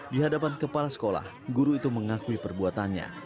di hadapan kepala sekolah guru itu mengakui perbuatannya